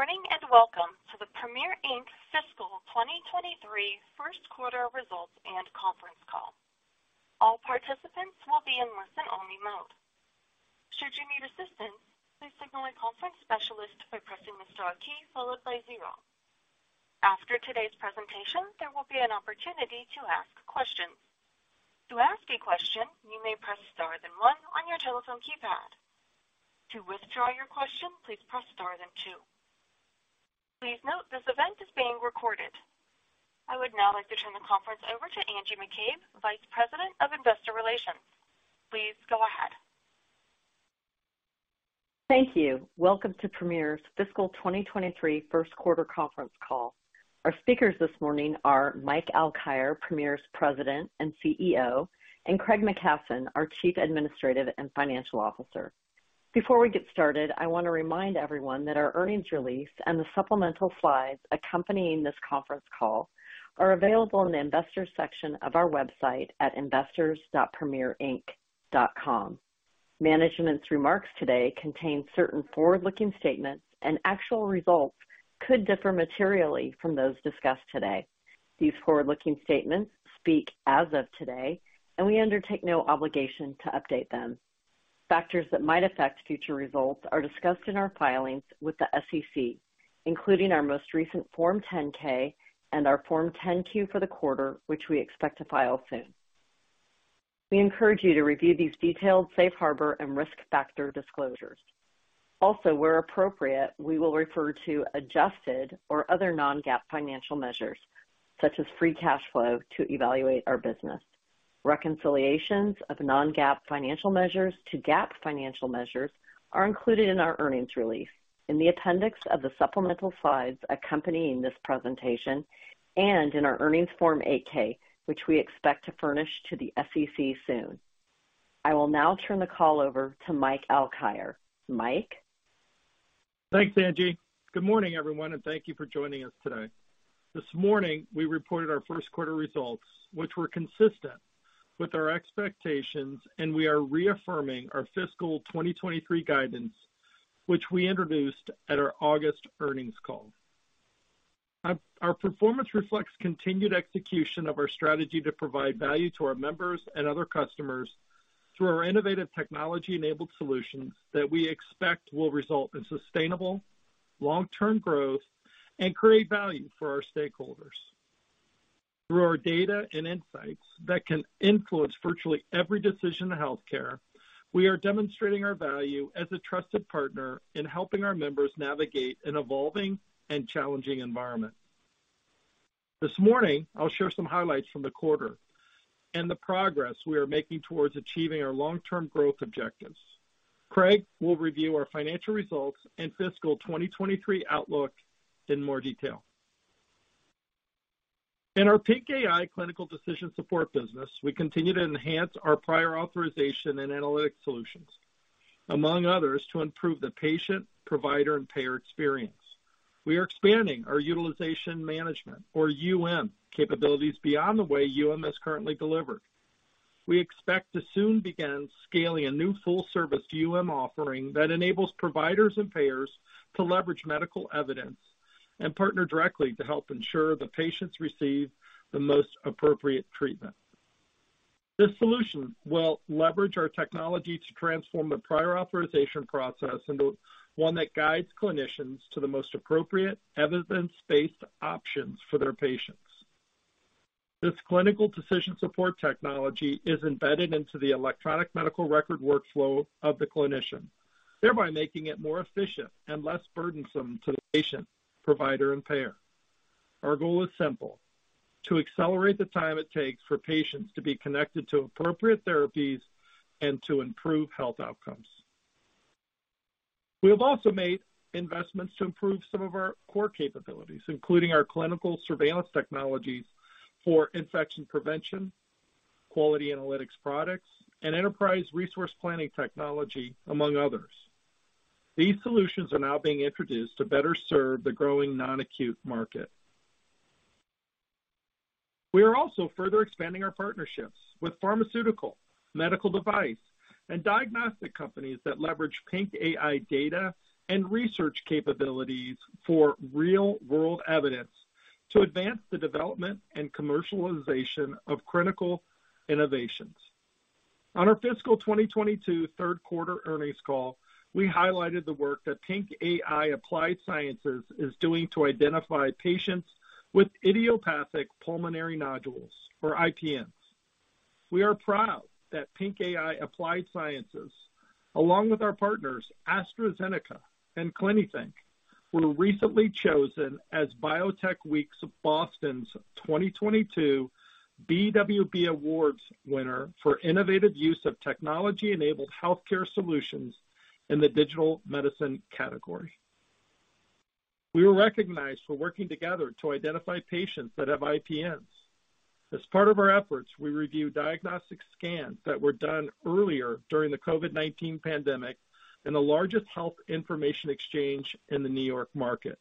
Good morning, and welcome to the Premier, Inc. Fiscal 2023 Q1 results and conference call. All participants will be in listen-only mode. Should you need assistance, please signal a conference specialist by pressing the star key followed by zero. After today's presentation, there will be an opportunity to ask questions. To ask a question, you may press star then one on your telephone keypad. To withdraw your question, please press star then two. Please note this event is being recorded. I would now like to turn the conference over to Angie McCabe, Vice President of Investor Relations. Please go ahead. Thank you. Welcome to Premier's fiscal 2023 Q1 conference call. Our speakers this morning are Mike Alkire, Premier's President and CEO, and Craig McKasson, our Chief Administrative and Financial Officer. Before we get started, I want to remind everyone that our earnings release and the supplemental slides accompanying this conference call are available in the Investors section of our website at investors.premierinc.com. Management's remarks today contain certain forward-looking statements, and actual results could differ materially from those discussed today. These forward-looking statements speak as of today, and we undertake no obligation to update them. Factors that might affect future results are discussed in our filings with the SEC, including our most recent Form 10-K and our Form 10-Q for the quarter, which we expect to file soon. We encourage you to review these detailed safe harbor and risk factor disclosures. Also, where appropriate, we will refer to adjusted or other non-GAAP financial measures, such as free cash flow, to evaluate our business. Reconciliations of non-GAAP financial measures to GAAP financial measures are included in our earnings release in the appendix of the supplemental slides accompanying this presentation and in our earnings Form 8-K, which we expect to furnish to the SEC soon. I will now turn the call over to Mike Alkire. Mike. Thanks, Angie. Good morning, everyone, and thank you for joining us today. This morning, we reported our Q1 results, which were consistent with our expectations, and we are reaffirming our fiscal 2023 guidance, which we introduced at our August earnings call. Our performance reflects continued execution of our strategy to provide value to our members and other customers through our innovative technology-enabled solutions that we expect will result in sustainable long-term growth and create value for our stakeholders. Through our data and insights that can influence virtually every decision in healthcare, we are demonstrating our value as a trusted partner in helping our members navigate an evolving and challenging environment. This morning, I'll share some highlights from the quarter and the progress we are making towards achieving our long-term growth objectives. Craig will review our financial results and fiscal 2023 outlook in more detail. In our PINC AI clinical decision support business, we continue to enhance our prior authorization and analytic solutions, among others, to improve the patient, provider, and payer experience. We are expanding our utilization management or UM capabilities beyond the way UM is currently delivered. We expect to soon begin scaling a new full-service UM offering that enables providers and payers to leverage medical evidence and partner directly to help ensure that patients receive the most appropriate treatment. This solution will leverage our technology to transform the prior authorization process into one that guides clinicians to the most appropriate evidence-based options for their patients. This clinical decision support technology is embedded into the electronic medical record workflow of the clinician, thereby making it more efficient and less burdensome to the patient, provider, and payer. Our goal is simple: to accelerate the time it takes for patients to be connected to appropriate therapies and to improve health outcomes. We have also made investments to improve some of our core capabilities, including our clinical surveillance technologies for infection prevention, quality analytics products, and enterprise resource planning technology, among others. These solutions are now being introduced to better serve the growing non-acute market. We are also further expanding our partnerships with pharmaceutical, medical device, and diagnostic companies that leverage PINC AI data and research capabilities for real-world evidence to advance the development and commercialization of critical innovations. On our fiscal 2022 Q3 earnings call, we highlighted the work that PINC AI Applied Sciences is doing to identify patients with idiopathic pulmonary nodules or IPNs. We are proud that PINC AI Applied Sciences, along with our partners AstraZeneca and Clinithink, were recently chosen as Biotech Week Boston's 2022 BWB Awards winner for innovative use of technology-enabled healthcare solutions in the digital medicine category. We were recognized for working together to identify patients that have IPNs. As part of our efforts, we reviewed diagnostic scans that were done earlier during the COVID-19 pandemic in the largest health information exchange in the New York market.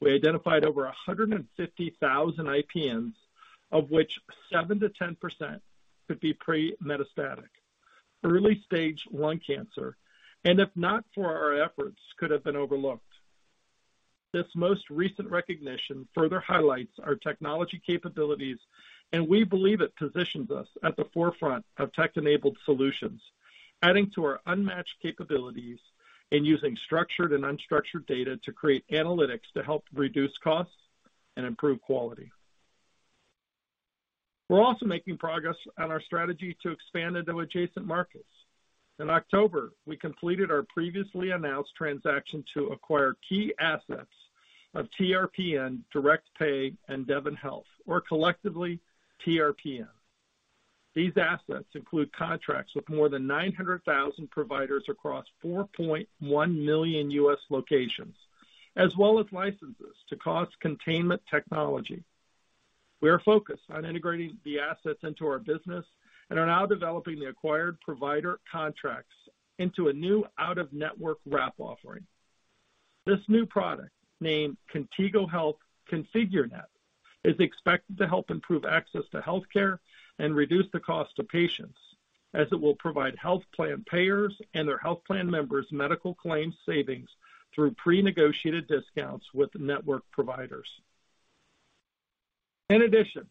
We identified over 150,000 IPNs, of which 7%-10% could be pre-metastatic, early-stage lung cancer, and if not for our efforts could have been overlooked. This most recent recognition further highlights our technology capabilities, and we believe it positions us at the forefront of tech-enabled solutions, adding to our unmatched capabilities in using structured and unstructured data to create analytics to help reduce costs and improve quality. We're also making progress on our strategy to expand into adjacent markets. In October, we completed our previously announced transaction to acquire key assets of TRPN Direct Pay and Devon Health, or collectively TRPN. These assets include contracts with more than 900,000 providers across 4.1 million U.S. locations, as well as licenses to cost containment technology. We are focused on integrating the assets into our business and are now developing the acquired provider contracts into a new out-of-network wrap offering. This new product, named Contigo Health ConfigureNet, is expected to help improve access to healthcare and reduce the cost to patients as it will provide health plan payers and their health plan members medical claims savings through pre-negotiated discounts with network providers. In addition,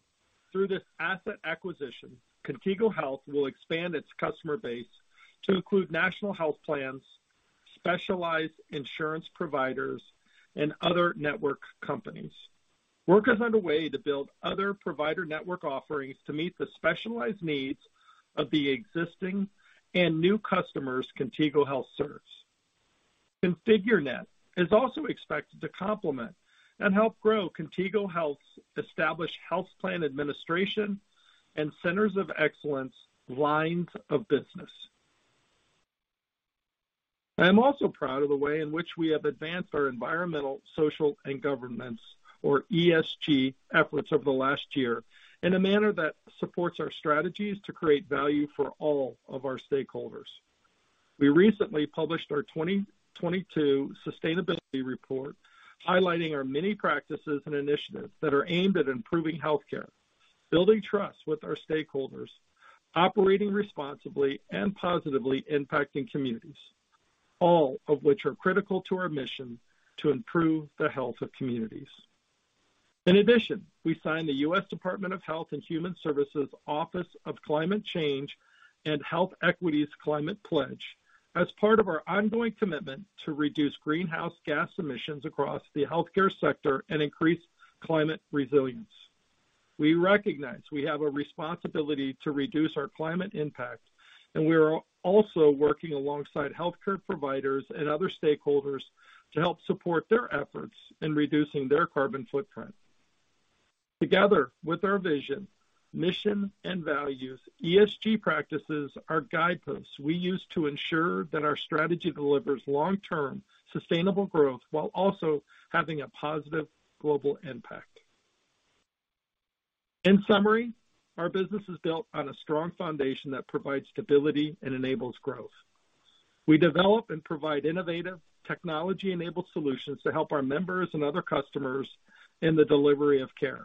through this asset acquisition, Contigo Health will expand its customer base to include national health plans, specialized insurance providers, and other network companies. Work is underway to build other provider network offerings to meet the specialized needs of the existing and new customers Contigo Health serves. ConfigureNet is also expected to complement and help grow Contigo Health's established health plan administration and centers of excellence lines of business. I am also proud of the way in which we have advanced our environmental, social, and governance, or ESG efforts over the last year in a manner that supports our strategies to create value for all of our stakeholders. We recently published our 2022 sustainability report, highlighting our many practices and initiatives that are aimed at improving healthcare, building trust with our stakeholders, operating responsibly, and positively impacting communities, all of which are critical to our mission to improve the health of communities. In addition, we signed the U.S. Department of Health and Human Services Office of Climate Change and Health Equity's climate pledge as part of our ongoing commitment to reduce greenhouse gas emissions across the healthcare sector and increase climate resilience. We recognize we have a responsibility to reduce our climate impact, and we are also working alongside healthcare providers and other stakeholders to help support their efforts in reducing their carbon footprint. Together with our vision, mission, and values, ESG practices are guideposts we use to ensure that our strategy delivers long-term sustainable growth while also having a positive global impact. In summary, our business is built on a strong foundation that provides stability and enables growth. We develop and provide innovative technology-enabled solutions to help our members and other customers in the delivery of care.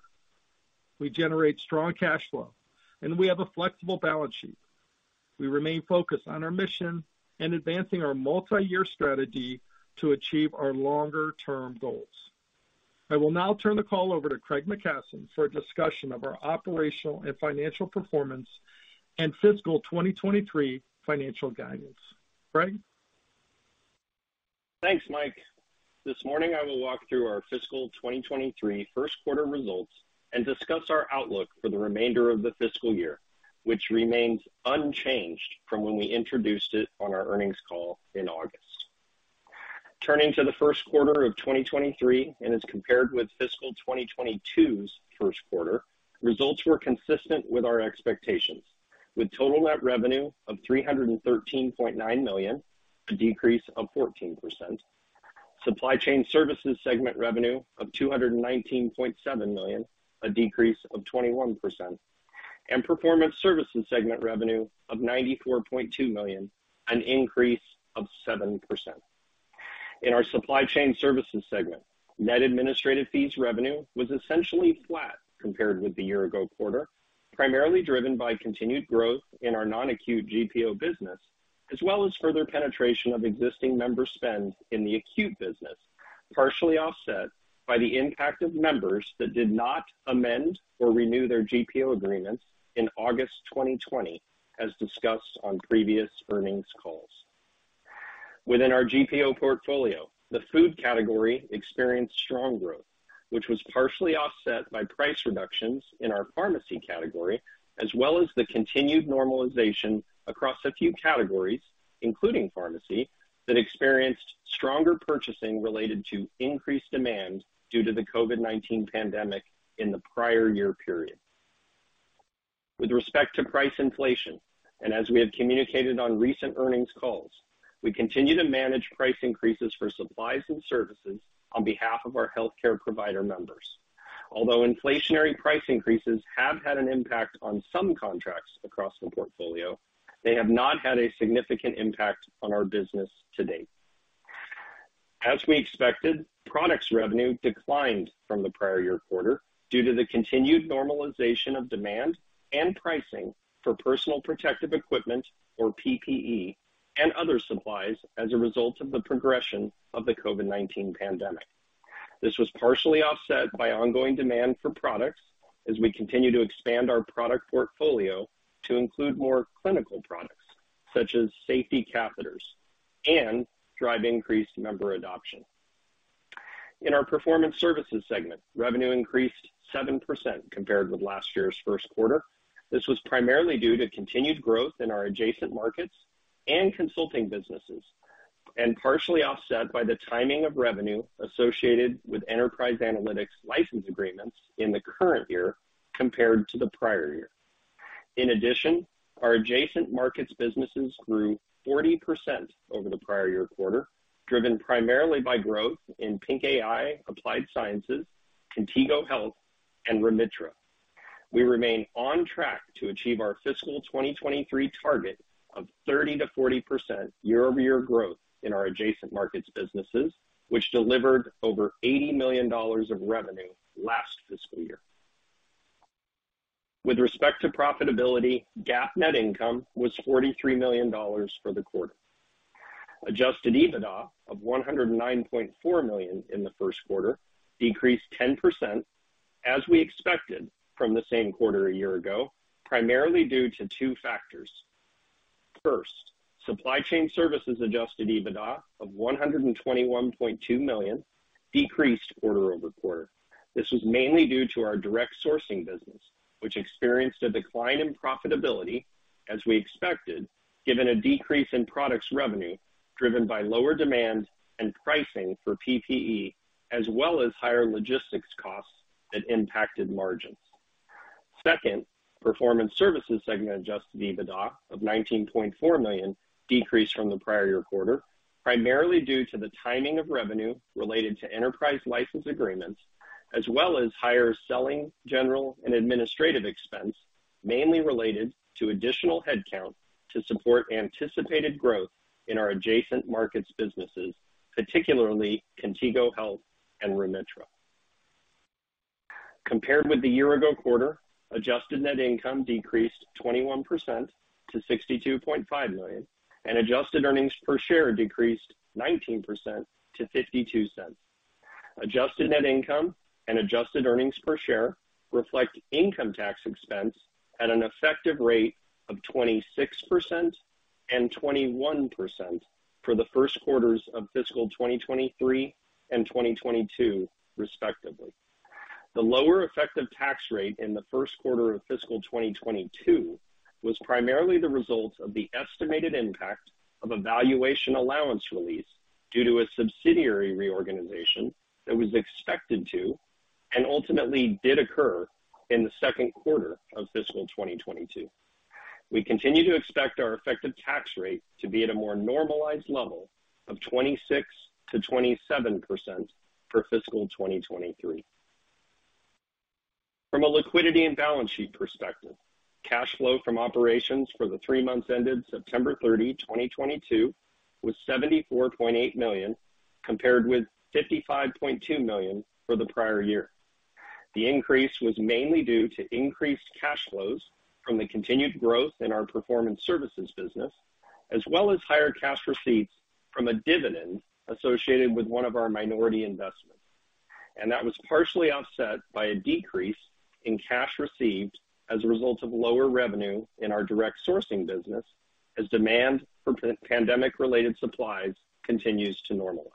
We generate strong cash flow. We have a flexible balance sheet. We remain focused on our mission and advancing our multi-year strategy to achieve our longer-term goals. I will now turn the call over to Craig McKasson for a discussion of our operational and financial performance and fiscal 2023 financial guidance. Craig? Thanks, Mike. This morning, I will walk through our fiscal 2023 Q1 results and discuss our outlook for the remainder of the fiscal year, which remains unchanged from when we introduced it on our earnings call in August. Turning to the Q1 of 2023 and as compared with fiscal 2022's Q1, results were consistent with our expectations, with total net revenue of $313.9 million, a decrease of 14%. Supply chain services segment revenue of $219.7 million, a decrease of 21%. Performance services segment revenue of $94.2 million, an increase of 7%. In our supply chain services segment, net administrative fees revenue was essentially flat compared with the year ago quarter, primarily driven by continued growth in our non-acute GPO business, as well as further penetration of existing member spend in the acute business, partially offset by the impact of members that did not amend or renew their GPO agreements in August 2020, as discussed on previous earnings calls. Within our GPO portfolio, the food category experienced strong growth, which was partially offset by price reductions in our pharmacy category, as well as the continued normalization across a few categories, including pharmacy, that experienced stronger purchasing related to increased demand due to the COVID-19 pandemic in the prior year period. With respect to price inflation, and as we have communicated on recent earnings calls, we continue to manage price increases for supplies and services on behalf of our healthcare provider members. Although inflationary price increases have had an impact on some contracts across the portfolio, they have not had a significant impact on our business to date. As we expected, Products revenue declined from the prior-year quarter due to the continued normalization of demand and pricing for personal protective equipment, or PPE, and other supplies as a result of the progression of the COVID-19 pandemic. This was partially offset by ongoing demand for products as we continue to expand our product portfolio to include more clinical products, such as safety catheters, and drive increased member adoption. In our Performance Services segment, revenue increased 7% compared with last year's Q1. This was primarily due to continued growth in our adjacent markets and consulting businesses, and partially offset by the timing of revenue associated with enterprise analytics license agreements in the current year compared to the prior year. In addition, our adjacent markets businesses grew 40% over the prior year quarter, driven primarily by growth in PINC AI, Applied Sciences, Contigo Health, and Remitra. We remain on track to achieve our fiscal 2023 target of 30%-40% year-over-year growth in our adjacent markets businesses, which delivered over $80 million of revenue last fiscal year. With respect to profitability, GAAP net income was $43 million for the quarter. Adjusted EBITDA of $109.4 million in the Q1 decreased 10% as we expected from the same quarter a year ago, primarily due to two factors. First, supply chain services adjusted EBITDA of $121.2 million decreased quarter-over-quarter. This was mainly due to our direct sourcing business, which experienced a decline in profitability as we expected, given a decrease in products revenue driven by lower demand and pricing for PPE, as well as higher logistics costs that impacted margins. Second, performance services segment adjusted EBITDA of $19.4 million decreased from the prior-year quarter, primarily due to the timing of revenue related to enterprise license agreements as well as higher selling, general, and administrative expense, mainly related to additional headcount to support anticipated growth in our adjacent markets businesses, particularly Contigo Health and Remitra. Compared with the year-ago quarter, adjusted net income decreased 21% to $62.5 million, and adjusted earnings per share decreased 19% to $0.52. Adjusted net income and adjusted earnings per share reflect income tax expense at an effective rate of 26% and 21% for the Q1s of fiscal 2023 and 2022, respectively. The lower effective tax rate in the Q1 of fiscal 2022 was primarily the result of the estimated impact of a valuation allowance release due to a subsidiary reorganization that was expected to and ultimately did occur in the Q2 of fiscal 2022. We continue to expect our effective tax rate to be at a more normalized level of 26%-27% for fiscal 2023. From a liquidity and balance sheet perspective, cash flow from operations for the three months ended September 30, 2022 was $74.8 million, compared with $55.2 million for the prior year. The increase was mainly due to increased cash flows from the continued growth in our performance services business, as well as higher cash receipts from a dividend associated with one of our minority investments. That was partially offset by a decrease in cash received as a result of lower revenue in our direct sourcing business as demand for pandemic-related supplies continues to normalize.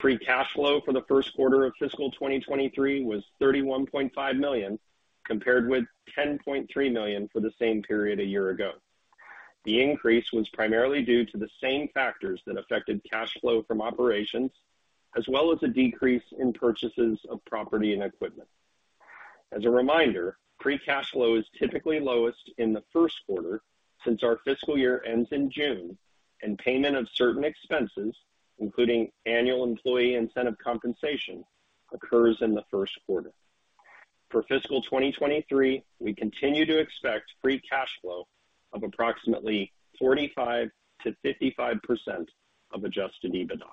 Free cash flow for the Q1 of fiscal 2023 was $31.5 million, compared with $10.3 million for the same period a year ago. The increase was primarily due to the same factors that affected cash flow from operations, as well as a decrease in purchases of property and equipment. As a reminder, free cash flow is typically lowest in the Q1 since our fiscal year ends in June and payment of certain expenses, including annual employee incentive compensation, occurs in the Q1. For fiscal 2023, we continue to expect free cash flow of approximately 45%-55% of Adjusted EBITDA.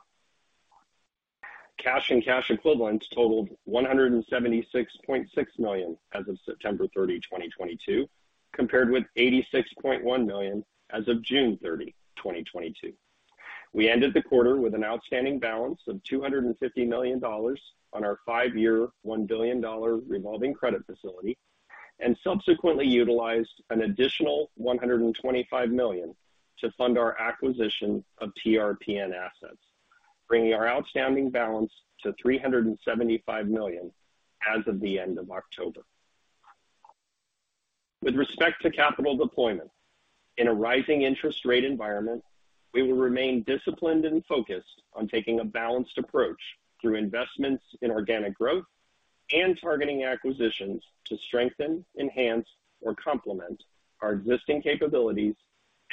Cash and cash equivalents totaled $176.6 million as of September 30, 2022, compared with $86.1 million as of June 30, 2022. We ended the quarter with an outstanding balance of $250 million on our five-year, $1 billion revolving credit facility and subsequently utilized an additional $125 million to fund our acquisition of TRPN assets, bringing our outstanding balance to $375 million as of the end of October. With respect to capital deployment, in a rising interest rate environment, we will remain disciplined and focused on taking a balanced approach through investments in organic growth and targeting acquisitions to strengthen, enhance, or complement our existing capabilities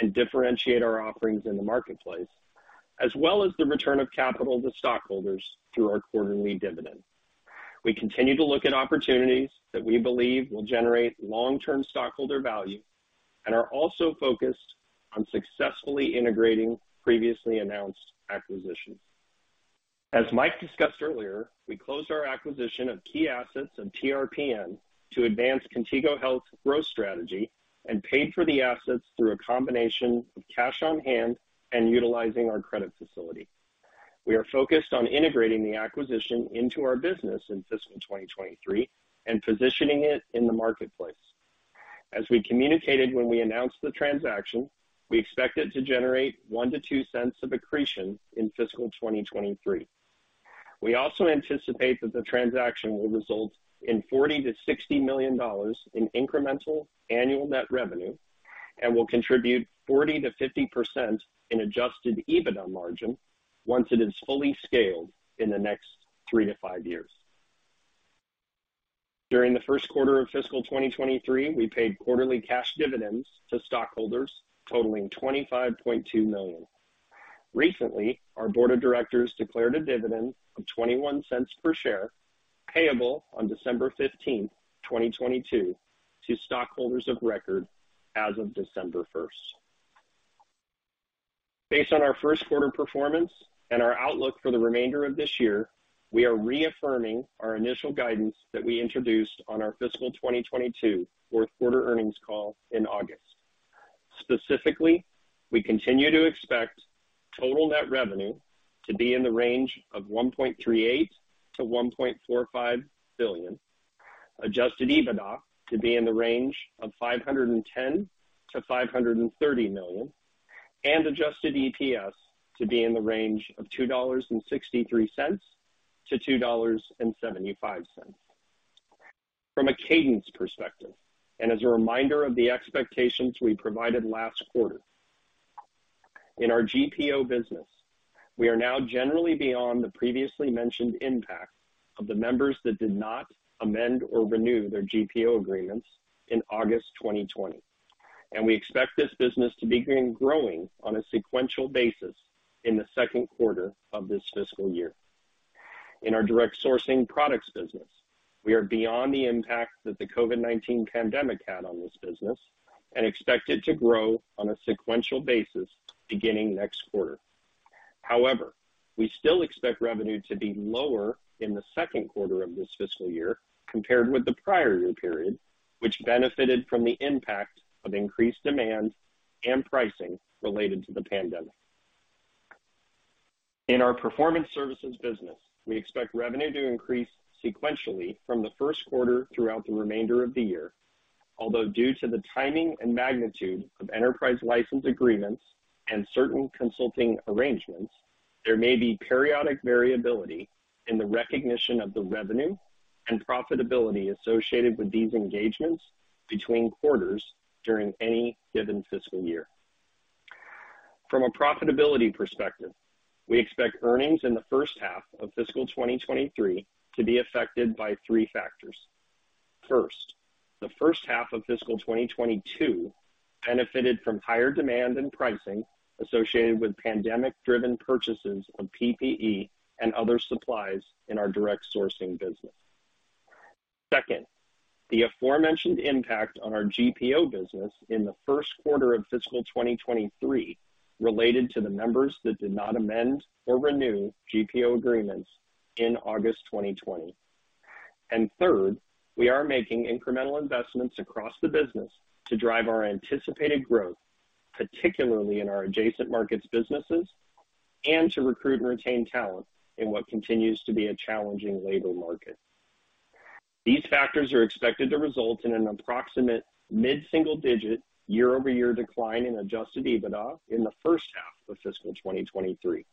and differentiate our offerings in the marketplace, as well as the return of capital to stockholders through our quarterly dividend. We continue to look at opportunities that we believe will generate long-term stockholder value and are also focused on successfully integrating previously announced acquisitions. As Mike discussed earlier, we closed our acquisition of key assets and TRPN to advance Contigo Health growth strategy and paid for the assets through a combination of cash on hand and utilizing our credit facility. We are focused on integrating the acquisition into our business in fiscal 2023 and positioning it in the marketplace. As we communicated when we announced the transaction, we expect it to generate $0.01-$0.02 of accretion in fiscal 2023. We also anticipate that the transaction will result in $40 million-$60 million in incremental annual net revenue and will contribute 40%-50% in Adjusted EBITDA margin once it is fully scaled in the next three to five years. During the Q1 of fiscal 2023, we paid quarterly cash dividends to stockholders totaling $25.2 million. Recently, our board of directors declared a dividend of $0.21 per share, payable on December 15, 2022 to stockholders of record as of December 1st. Based on our Q1 performance and our outlook for the remainder of this year, we are reaffirming our initial guidance that we introduced on our fiscal 2022 Q4 earnings call in August. Specifically, we continue to expect total net revenue to be in the range of $1.38 billion-$1.45 billion, adjusted EBITDA to be in the range of $510 million-$530 million, and adjusted EPS to be in the range of $2.63-$2.75. From a cadence perspective, and as a reminder of the expectations we provided last quarter, in our GPO business, we are now generally beyond the previously mentioned impact of the members that did not amend or renew their GPO agreements in August 2020, and we expect this business to begin growing on a sequential basis in the Q2 of this fiscal year. In our direct sourcing products business, we are beyond the impact that the COVID-19 pandemic had on this business and expect it to grow on a sequential basis beginning next quarter. However, we still expect revenue to be lower in the Q2 of this fiscal year compared with the prior year period, which benefited from the impact of increased demand and pricing related to the pandemic. In our performance services business, we expect revenue to increase sequentially from the Q1 throughout the remainder of the year. Although due to the timing and magnitude of enterprise license agreements and certain consulting arrangements, there may be periodic variability in the recognition of the revenue and profitability associated with these engagements between quarters during any given fiscal year. From a profitability perspective, we expect earnings in the first half of fiscal 2023 to be affected by three factors. First, the first half of fiscal 2022 benefited from higher demand and pricing associated with pandemic-driven purchases of PPE and other supplies in our direct sourcing business. Second, the aforementioned impact on our GPO business in the Q1 of fiscal 2023 related to the members that did not amend or renew GPO agreements in August 2020. Third, we are making incremental investments across the business to drive our anticipated growth, particularly in our adjacent markets businesses and to recruit and retain talent in what continues to be a challenging labor market. These factors are expected to result in an approximate mid-single-digit year-over-year decline in Adjusted EBITDA in the first half of fiscal 2023.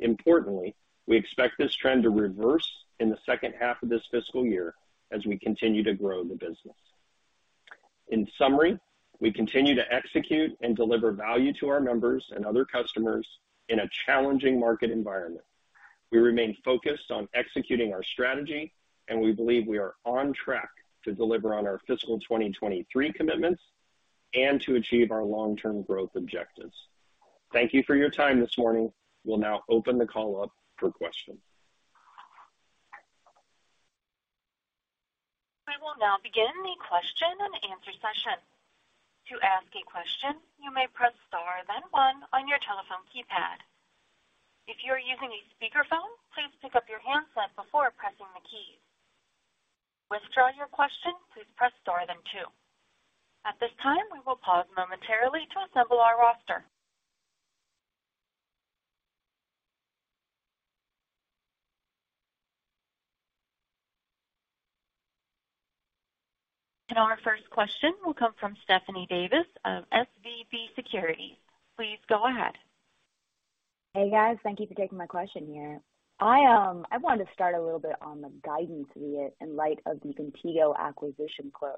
Importantly, we expect this trend to reverse in the second half of this fiscal year as we continue to grow the business. In summary, we continue to execute and deliver value to our members and other customers in a challenging market environment. We remain focused on executing our strategy, and we believe we are on track to deliver on our fiscal 2023 commitments and to achieve our long-term growth objectives. Thank you for your time this morning. We'll now open the call up for questions. We will now begin the question-and-answer session. To ask a question, you may press star, then one on your telephone keypad. If you are using a speakerphone, please pick up your handset before pressing the keys. Withdraw your question, please press star then two. At this time, we will pause momentarily to assemble our roster. Our first question will come from Stephanie Davis of SVB Securities. Please go ahead. Hey, guys. Thank you for taking my question here. I wanted to start a little bit on the guidance we had in light of the Contigo acquisition close.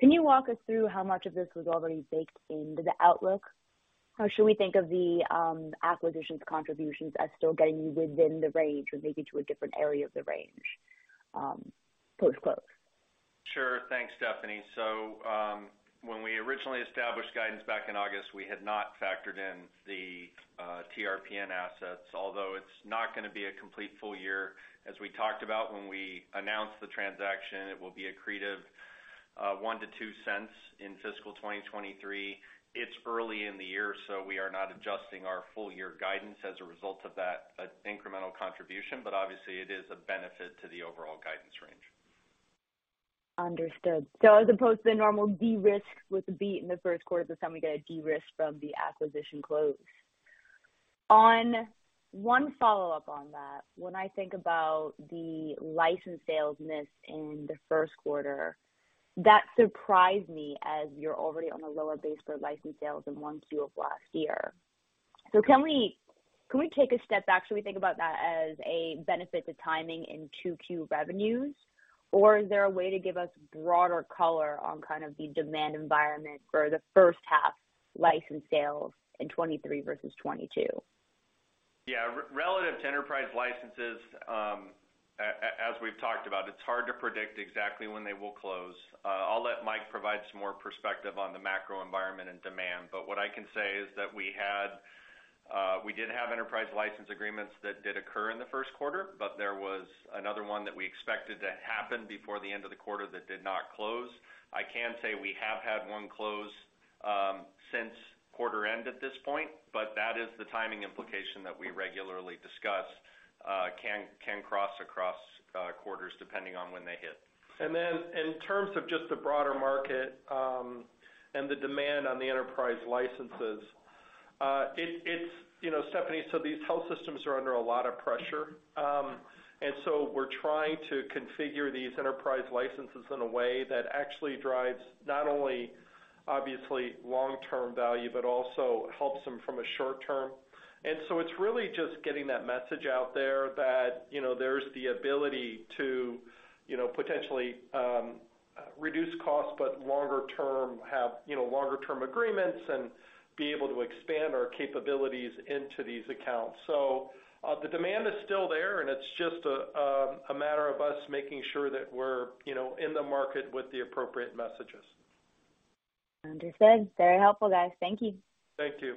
Can you walk us through how much of this was already baked into the outlook? Or should we think of the acquisitions contributions as still getting within the range or maybe to a different area of the range post close? Sure. Thanks, Stephanie. When we originally established guidance back in August, we had not factored in the TRPN assets, although it's not gonna be a complete full year. As we talked about when we announced the transaction, it will be accretive $0.01-$0.02 in fiscal 2023. It's early in the year, so we are not adjusting our full year guidance as a result of that incremental contribution, but obviously it is a benefit to the overall guidance range. Understood. As opposed to the normal de-risk with the beat in the Q1, this time we get a de-risk from the acquisition close. One follow-up on that. When I think about the license sales miss in the Q1, that surprised me as you're already on a lower base for license sales in Q1 of last year. Can we take a step back, should we think about that as a benefit to timing in Q2 revenues? Is there a way to give us broader color on kind of the demand environment for the first half license sales in 2023 versus 2022? Relative to enterprise licenses, as we've talked about, it's hard to predict exactly when they will close. I'll let Mike provide some more perspective on the macro environment and demand. What I can say is that we did have enterprise license agreements that did occur in the Q1, but there was another one that we expected to happen before the end of the quarter that did not close. I can say we have had one close since quarter end at this point, but that is the timing implication that we regularly discuss, can cross across quarters depending on when they hit. In terms of just the broader market, and the demand on the enterprise licenses, it's. You know, Stephanie, so these health systems are under a lot of pressure. We're trying to configure these enterprise licenses in a way that actually drives not only obviously long-term value, but also helps them from a short term. It's really just getting that message out there that, you know, there's the ability to, you know, potentially, reduce costs, but longer term have, you know, longer term agreements and be able to expand our capabilities into these accounts. The demand is still there, and it's just a matter of us making sure that we're, you know, in the market with the appropriate messages. Understood. Very helpful, guys. Thank you. Thank you.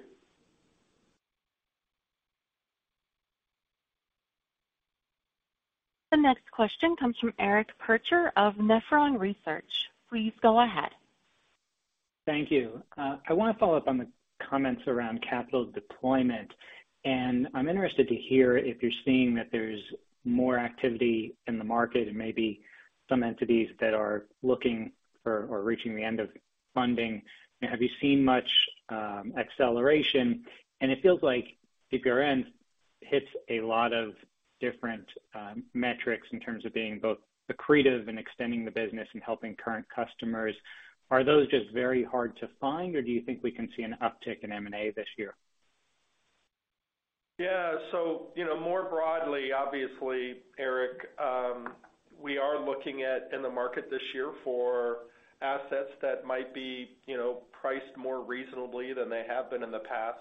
The next question comes from Eric Percher of Nephron Research. Please go ahead. Thank you. I wanna follow up on the comments around capital deployment, and I'm interested to hear if you're seeing that there's more activity in the market and maybe some entities that are looking for or reaching the end of funding. Have you seen much acceleration? It feels like TRPN hits a lot of different metrics in terms of being both accretive and extending the business and helping current customers. Are those just very hard to find, or do you think we can see an uptick in M&A this year? Yeah. You know, more broadly, obviously, Eric, we are looking at in the market this year for assets that might be, you know, priced more reasonably than they have been in the past.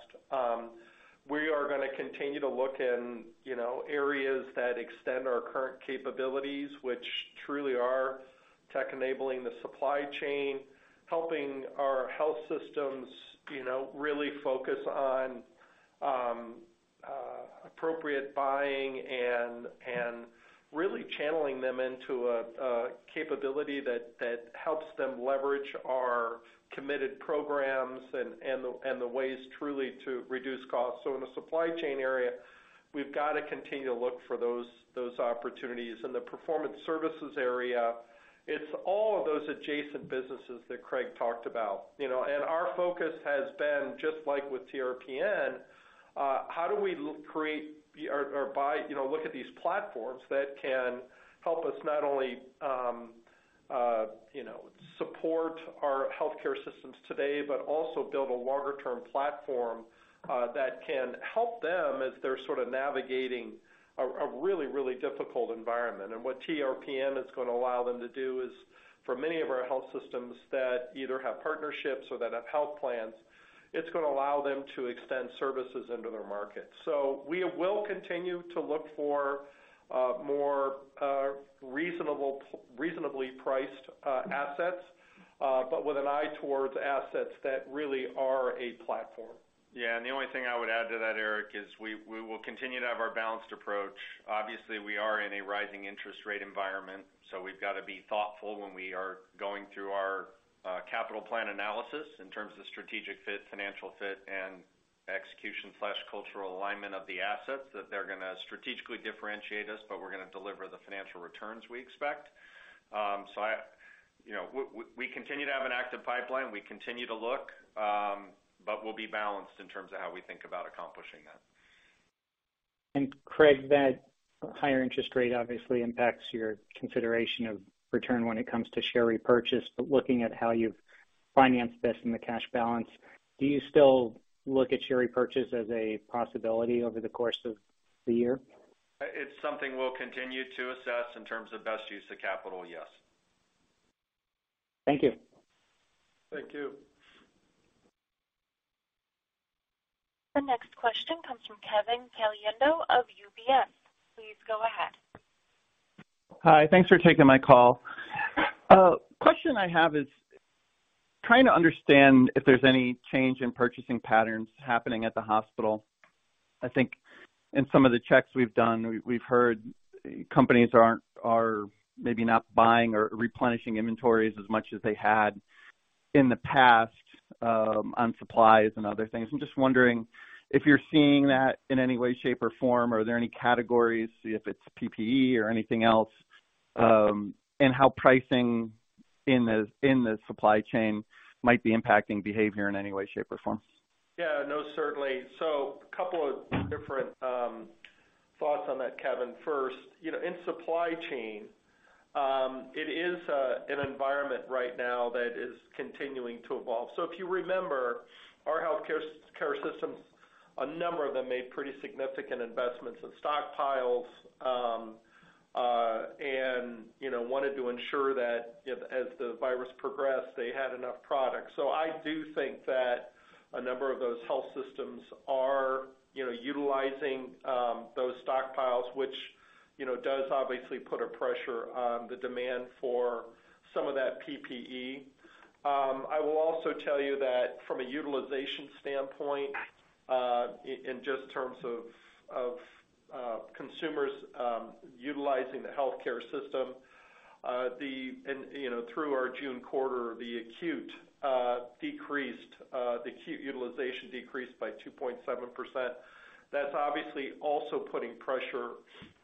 We are gonna continue to look in, you know, areas that extend our current capabilities, which truly are tech enabling the supply chain, helping our health systems, you know, really focus on appropriate buying and really channeling them into a capability that helps them leverage our committed programs and the ways truly to reduce costs. In the supply chain area, we've got to continue to look for those opportunities. In the performance services area, it's all of those adjacent businesses that Craig talked about, you know. Our focus has been just like with TRPN, how do we create or buy... You know, look at these platforms that can help us not only you know support our healthcare systems today, but also build a longer term platform that can help them as they're sort of navigating a really difficult environment. What TRPN is gonna allow them to do is for many of our health systems that either have partnerships or that have health plans, it's gonna allow them to extend services into their market. We will continue to look for more reasonably priced assets, but with an eye towards assets that really are a platform. Yeah. The only thing I would add to that, Eric, is we will continue to have our balanced approach. Obviously, we are in a rising interest rate environment, so we've got to be thoughtful when we are going through our capital plan analysis in terms of strategic fit, financial fit and execution cultural alignment of the assets that they're gonna strategically differentiate us, but we're gonna deliver the financial returns we expect. I, you know, we continue to have an active pipeline. We continue to look, but we'll be balanced in terms of how we think about accomplishing that. Craig, that higher interest rate obviously impacts your consideration of return when it comes to share repurchase. Looking at how you've financed this in the cash balance, do you still look at share repurchase as a possibility over the course of the year? It's something we'll continue to assess in terms of best use of capital, yes. Thank you. Thank you. The next question comes from Kevin Caliendo of UBS. Please go ahead. Hi. Thanks for taking my call. Question I have is trying to understand if there's any change in purchasing patterns happening at the hospital. I think in some of the checks we've done, we've heard companies are maybe not buying or replenishing inventories as much as they had in the past, on supplies and other things. I'm just wondering if you're seeing that in any way, shape, or form. Are there any categories, if it's PPE or anything else, and how pricing in the supply chain might be impacting behavior in any way, shape, or form? Yeah. No, certainly. A couple of different thoughts on that, Kevin. First, you know, in supply chain, it is an environment right now that is continuing to evolve. If you remember our healthcare systems, a number of them made pretty significant investments in stockpiles, and, you know, wanted to ensure that if as the virus progressed, they had enough product. I do think that a number of those health systems are, you know, utilizing those stockpiles, which, you know, does obviously put a pressure on the demand for some of that PPE. I will also tell you that from a utilization standpoint, in just terms of consumers utilizing the healthcare system, you know, through our June quarter, the acute utilization decreased by 2.7%. That's obviously also putting pressure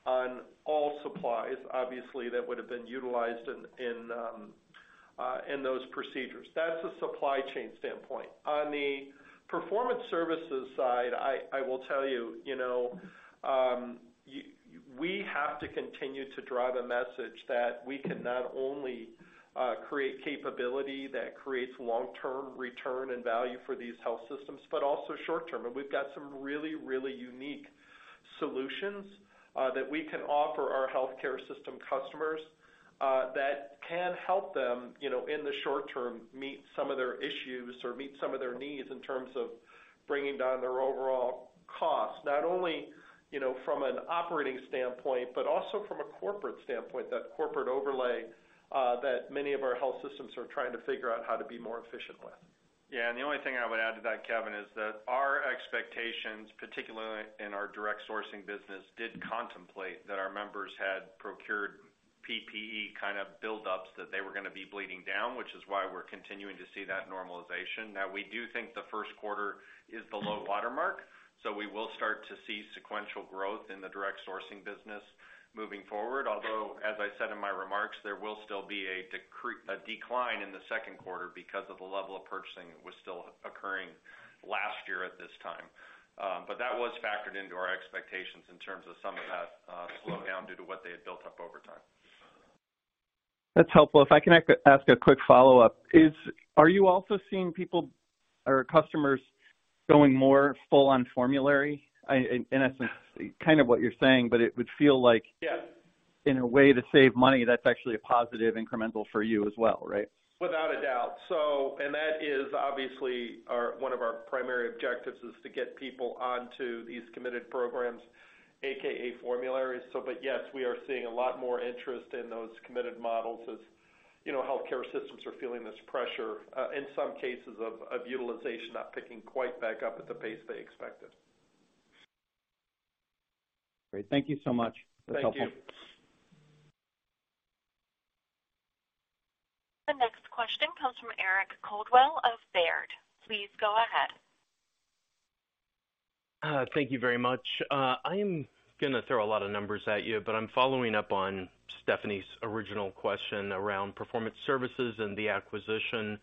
on all supplies, obviously, that would have been utilized in those procedures. That's a supply chain standpoint. On the performance services side, I will tell you know, we have to continue to drive a message that we can not only create capability that creates long-term return and value for these health systems, but also short-term. We've got some really unique solutions that we can offer our healthcare system customers that can help them, you know, in the short term, meet some of their issues or meet some of their needs in terms of bringing down their overall costs. Not only, you know, from an operating standpoint, but also from a corporate standpoint, that corporate overlay that many of our health systems are trying to figure out how to be more efficient with. Yeah. The only thing I would add to that, Kevin, is that our expectations, particularly in our direct sourcing business, did contemplate that our members had procured PPE kind of build ups that they were gonna be bleeding down, which is why we're continuing to see that normalization. Now, we do think the Q1 is the low watermark, so we will start to see sequential growth in the direct sourcing business moving forward. Although, as I said in my remarks, there will still be a decline in the Q2 because of the level of purchasing that was still occurring last year at this time. That was factored into our expectations in terms of some of that slowdown due to what they had built up over time. That's helpful. If I can ask a quick follow-up. Are you also seeing people or customers going more full-on formulary? In essence, kind of what you're saying, but it would feel like in a way to save money, that's actually a positive incremental for you as well, right? Without a doubt. That is obviously one of our primary objectives is to get people onto these committed programs, AKA formularies. Yes, we are seeing a lot more interest in those committed models as, you know, healthcare systems are feeling this pressure, in some cases of utilization not picking quite back up at the pace they expected. Great. Thank you so much. Thank you. That's helpful. The next question comes from Eric Coldwell of Baird. Please go ahead. Thank you very much. I am gonna throw a lot of numbers at you, but I'm following up on Stephanie's original question around performance services and the acquisition.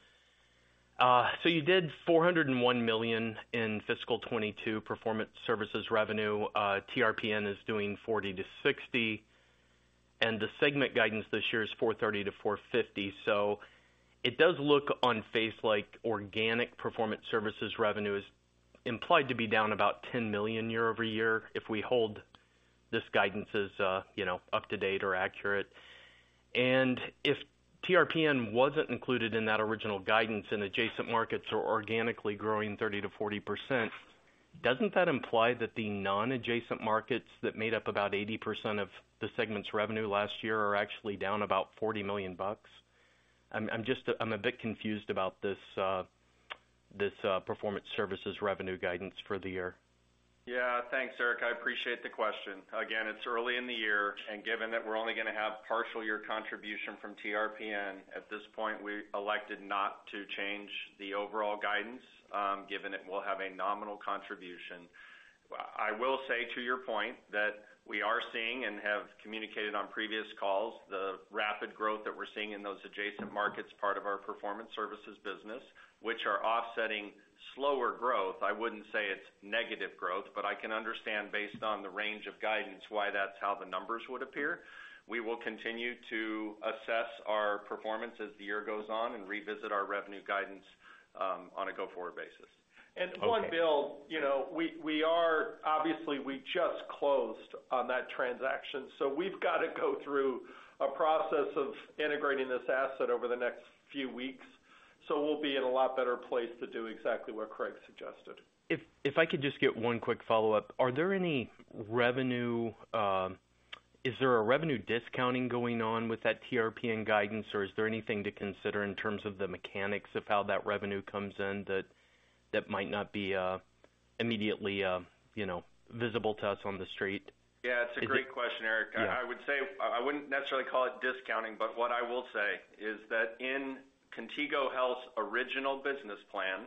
You did $401 million in fiscal 2022 performance services revenue. TRPN is doing $40 million-$60 million, and the segment guidance this year is $430 million-$450 million. It does look on its face like organic performance services revenue is implied to be down about $10 million year-over-year if we hold this guidance as, you know, up to date or accurate. If TRPN wasn't included in that original guidance in adjacent markets or organically growing 30%-40%, doesn't that imply that the non-adjacent markets that made up about 80% of the segment's revenue last year are actually down about $40 million? I'm just a bit confused about this performance services revenue guidance for the year. Yeah. Thanks, Eric. I appreciate the question. Again, it's early in the year, and given that we're only gonna have partial year contribution from TRPN, at this point, we elected not to change the overall guidance, given it will have a nominal contribution. I will say to your point that we are seeing and have communicated on previous calls the rapid growth that we're seeing in those adjacent markets, part of our performance services business, which are offsetting slower growth. I wouldn't say it's negative growth, but I can understand based on the range of guidance, why that's how the numbers would appear. We will continue to assess our performance as the year goes on and revisit our revenue guidance, on a go-forward basis. One, Bill, you know, obviously we just closed on that transaction, so we've got to go through a process of integrating this asset over the next few weeks. We'll be in a lot better place to do exactly what Craig suggested. If I could just get one quick follow-up. Is there a revenue discounting going on with that TRPN guidance, or is there anything to consider in terms of the mechanics of how that revenue comes in that might not be immediately, you know, visible to us on the street? Yeah, it's a great question, Eric. Yeah. I would say I wouldn't necessarily call it discounting, but what I will say is that in Contigo Health's original business plan,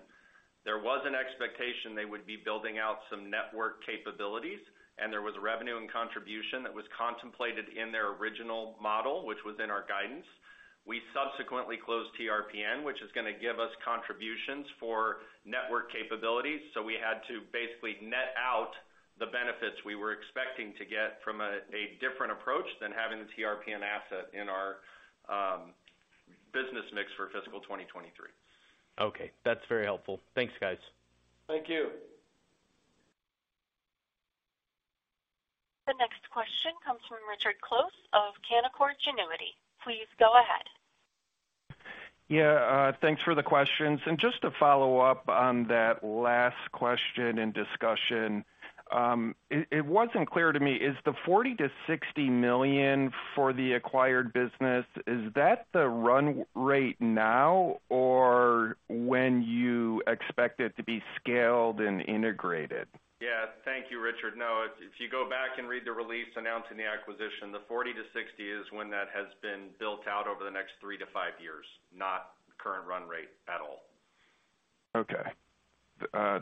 there was an expectation they would be building out some network capabilities, and there were revenue and contribution that was contemplated in their original model, which was in our guidance. We subsequently closed TRPN, which is gonna give us contributions for network capabilities. We had to basically net out the benefits we were expecting to get from a different approach than having the TRPN asset in our business mix for fiscal 2023. Okay, that's very helpful. Thanks, guys. Thank you. The next question comes from Richard Close of Canaccord Genuity. Please go ahead. Yeah, thanks for the questions. Just to follow up on that last question and discussion, it wasn't clear to me, is the $40 million-$60 million for the acquired business the run rate now or when you expect it to be scaled and integrated? Yeah. Thank you, Richard. No, if you go back and read the release announcing the acquisition, the $40 million-$60 million is when that has been built out over the next three to five years, not current run rate at all. Okay.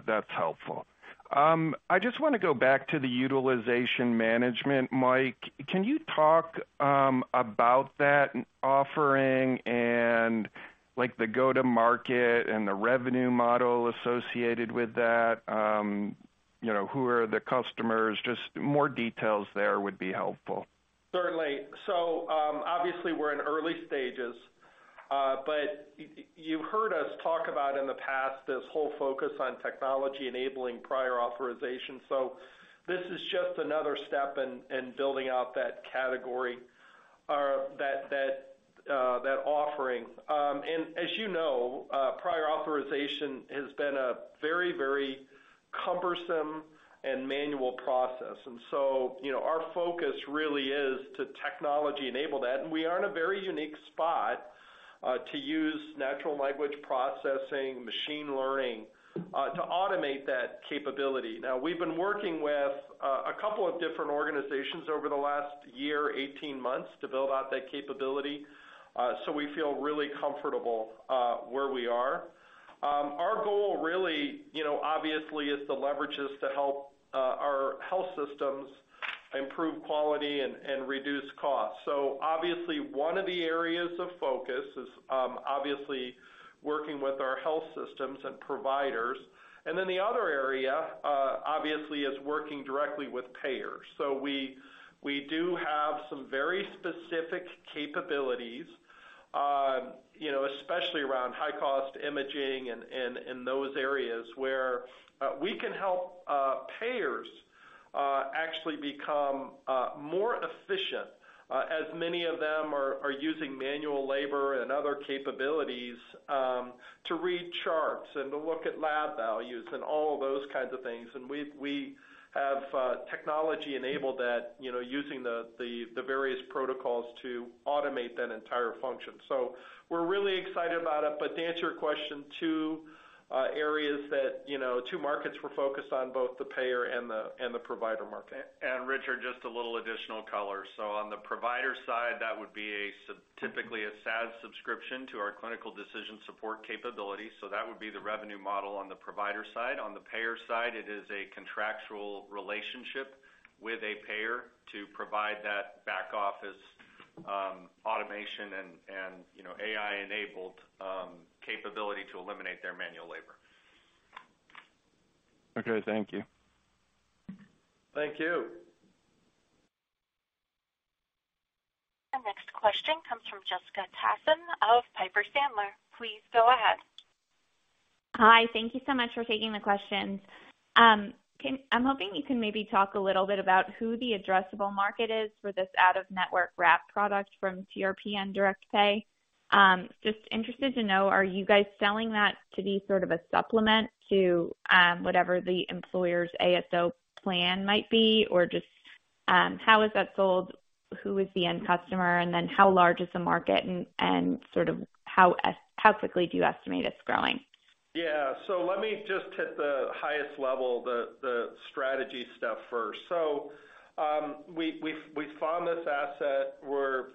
That's helpful. I just wanna go back to the utilization management. Mike, can you talk about that offering and, like, the go-to-market and the revenue model associated with that? You know, who are the customers? Just more details there would be helpful. Certainly. Obviously we're in early stages, but you've heard us talk about in the past this whole focus on technology enabling prior authorization. This is just another step in building out that category or that offering. As you know, prior authorization has been a very, very cumbersome and manual process. You know, our focus really is to technology enable that. We are in a very unique spot to use natural language processing, machine learning to automate that capability. Now, we've been working with a couple of different organizations over the last year, 18 months to build out that capability, so we feel really comfortable where we are. Our goal really, you know, obviously is to leverage this to help our health systems improve quality and reduce costs. Obviously, one of the areas of focus is obviously working with our health systems and providers. The other area obviously is working directly with payers. We do have some very specific capabilities, you know, especially around high-cost imaging and in those areas where we can help payers actually become more efficient, as many of them are using manual labor and other capabilities to read charts and to look at lab values and all of those kinds of things. We have technology enabled that, you know, using the various protocols to automate that entire function. We're really excited about it. To answer your question, two areas that, you know, two markets we're focused on, both the payer and the provider market. Richard, just a little additional color. On the provider side, that would be typically a SaaS subscription to our clinical decision support capability. That would be the revenue model on the provider side. On the payer side, it is a contractual relationship with a payer to provide that back-office automation and, you know, AI-enabled capability to eliminate their manual labor. Okay. Thank you. Thank you. The next question comes from Jessica Tassan of Piper Sandler. Please go ahead. Hi. Thank you so much for taking the questions. I'm hoping you can maybe talk a little bit about who the addressable market is for this out-of-network wrap product from TRPN Direct Pay. Just interested to know, are you guys selling that to be sort of a supplement to whatever the employer's ASO plan might be, or just how is that sold, who is the end customer, and then how large is the market and sort of how quickly do you estimate it's growing? Yeah. Let me just hit the highest level, the strategy stuff first. We've found this asset. We're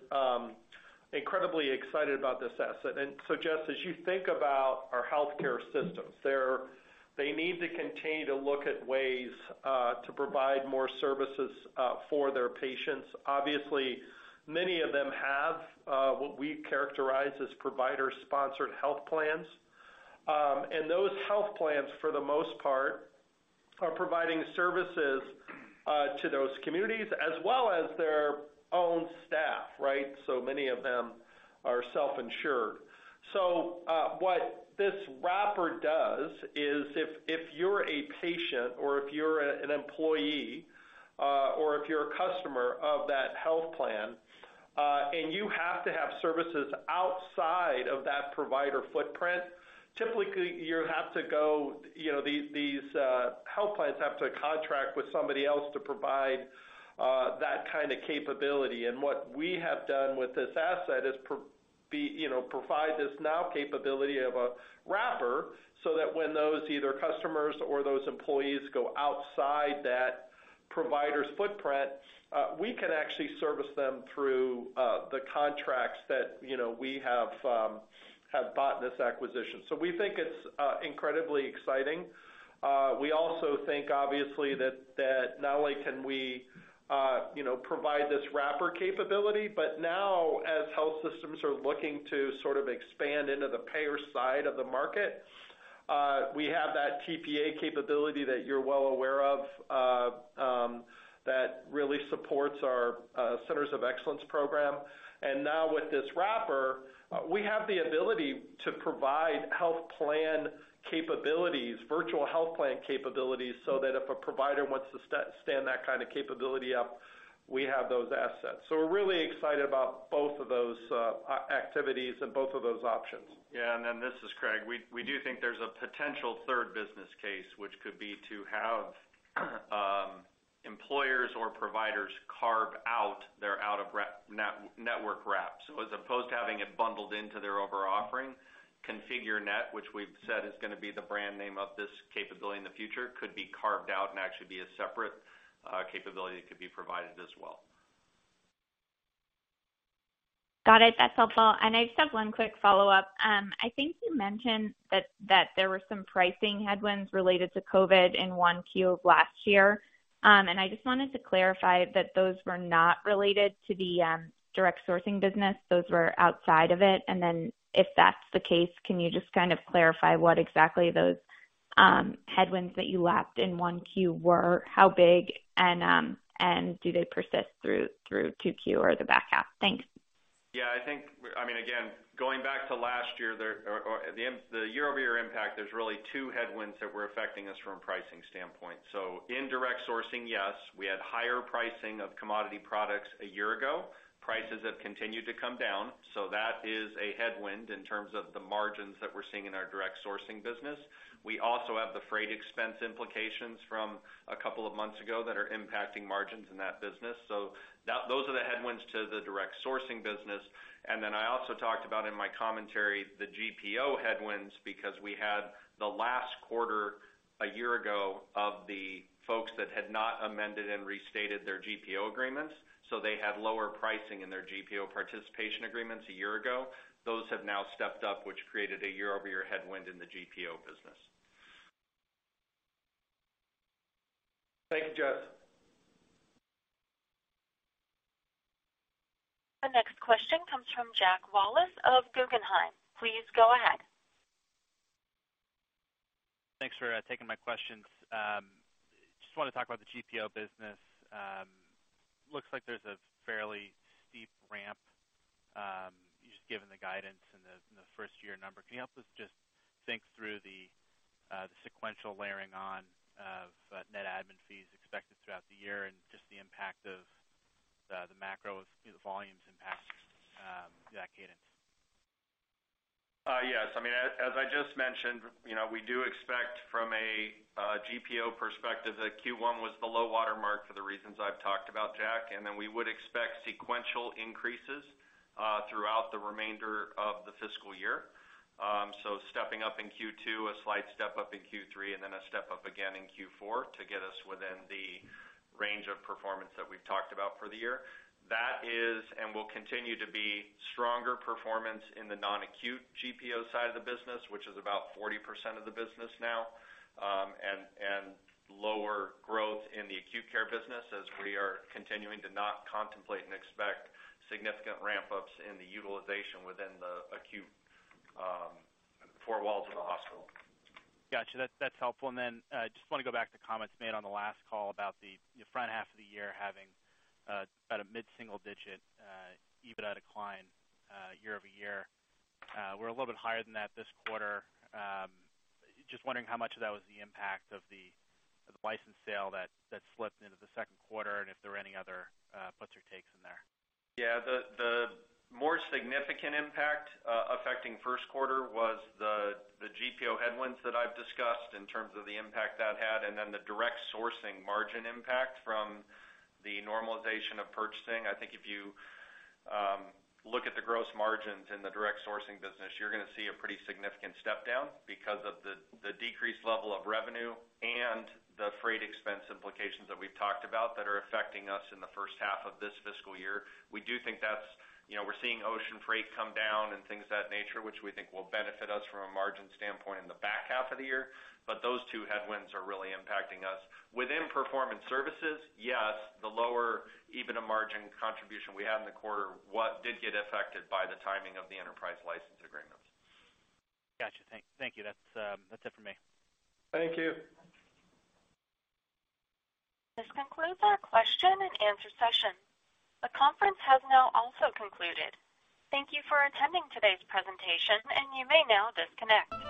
incredibly excited about this asset. Jess, as you think about our healthcare systems, they need to continue to look at ways to provide more services for their patients. Obviously, many of them have what we characterize as provider-sponsored health plans. And those health plans, for the most part, are providing services to those communities as well as their own staff, right? Many of them are self-insured. What this wrapper does is if you're a patient or if you're an employee or if you're a customer of that health plan and you have to have services outside of that provider footprint, typically you have to go, you know, these health plans have to contract with somebody else to provide that kind of capability. What we have done with this asset is provide this now capability of a wrapper so that when those either customers or those employees go outside that provider's footprint, we can actually service them through the contracts that, you know, we have bought in this acquisition. We think it's incredibly exciting. We also think obviously that not only can we, you know, provide this wrapper capability, but now as health systems are looking to sort of expand into the payer side of the market, we have that TPA capability that you're well aware of, that really supports our centers of excellence program. Now with this wrapper, we have the ability to provide health plan capabilities, virtual health plan capabilities, so that if a provider wants to stand that kind of capability up, we have those assets. We're really excited about both of those activities and both of those options. Yeah. This is Craig. We do think there's a potential third business case, which could be to have employers or providers carve out their out-of-network wraps, as opposed to having it bundled into their overall offering. ConfigureNet, which we've said is gonna be the brand name of this capability in the future, could be carved out and actually be a separate capability that could be provided as well. Got it. That's helpful. I just have one quick follow-up. I think you mentioned that there was some pricing headwinds related to COVID in Q1 of last year. I just wanted to clarify that those were not related to the direct sourcing business, those were outside of it. If that's the case, can you just kind of clarify what exactly those headwinds that you lapped in Q1 were, how big, and do they persist through Q1 or the back half? Thanks. Yeah, I think, I mean, again, going back to last year, the year-over-year impact, there's really two headwinds that were affecting us from a pricing standpoint. In direct sourcing, yes, we had higher pricing of commodity products a year ago. Prices have continued to come down. That is a headwind in terms of the margins that we're seeing in our direct sourcing business. We also have the freight expense implications from a couple of months ago that are impacting margins in that business. Those are the headwinds to the direct sourcing business. I also talked about in my commentary the GPO headwinds because we had the last quarter a year ago of the folks that had not amended and restated their GPO agreements, so they had lower pricing in their GPO participation agreements a year ago. Those have now stepped up, which created a year-over-year headwind in the GPO business. Thank you, Jess. The next question comes from Jack Wallace of Guggenheim. Please go ahead. Thanks for taking my questions. Just wanna talk about the GPO business. Looks like there's a fairly steep ramp just given the guidance and the first-year number. Can you help us just think through the sequential layering on of net admin fees expected throughout the year and just the impact of the macro, the volumes impact, that cadence? Yes. I mean, as I just mentioned, you know, we do expect from a GPO perspective that Q1 was the low water mark for the reasons I've talked about, Jack. Then we would expect sequential increases throughout the remainder of the fiscal year. Stepping up in Q2, a slight step-up in Q3, and then a step-up again in Q4 to get us within the range of performance that we've talked about for the year. That is and will continue to be stronger performance in the non-acute GPO side of the business, which is about 40% of the business now, and lower growth in the acute care business as we are continuing to not contemplate and expect significant ramp-ups in the utilization within the acute four walls of the hospital. Got you. That's helpful. Just wanna go back to comments made on the last call about the front half of the year having about a mid-single digit EBITDA decline year-over-year. We're a little bit higher than that this quarter. Just wondering how much of that was the impact of the license sale that slipped into the Q2, and if there were any other puts or takes in there. Yeah. The more significant impact affecting Q1 was the GPO headwinds that I've discussed in terms of the impact that had, and then the direct sourcing margin impact from the normalization of purchasing. I think if you look at the gross margins in the direct sourcing business, you're gonna see a pretty significant step down because of the decreased level of revenue and the freight expense implications that we've talked about that are affecting us in the first half of this fiscal year. We do think that's, you know, we're seeing ocean freight come down and things of that nature, which we think will benefit us from a margin standpoint in the back half of the year. Those two headwinds are really impacting us. Within performance services, yes, the lower EBITDA margin contribution we have in the quarter, which did get affected by the timing of the enterprise license agreements. Got you. Thank you. That's it for me. Thank you. This concludes our question-and-answer session. The conference has now also concluded. Thank you for attending today's presentation, and you may now disconnect.